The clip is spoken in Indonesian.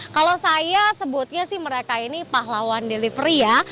kalau saya sebutnya sih mereka ini pahlawan delivery ya